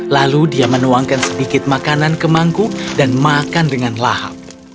lalu dia menuangkan sedikit makanan ke mangkuk dan makan dengan lahap